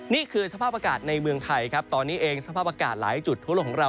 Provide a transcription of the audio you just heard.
นี่คือสภาพอากาศในเมืองไทยครับตอนนี้เองสภาพอากาศหลายจุดทั่วโลกของเรา